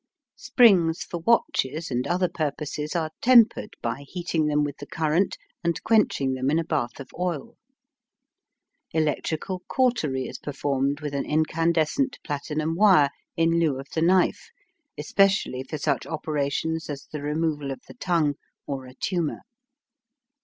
Springs for watches and other purposes are tempered by heating them with the current and quenching them in a bath of oil. Electrical cautery is performed with an incandescent platinum wire in lieu of the knife, especially for such operations as the removal of the tongue or a tumour.